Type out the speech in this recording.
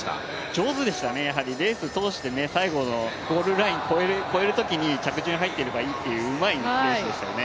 上手でしたね、レース通して最後ゴールで入る時点で着順入っていればいいという、うまいレースでしたね。